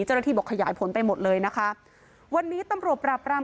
เเจรินทีบัตรขยายผลไปหมดเลยนะคะวันนี้ตำรวจปรับราม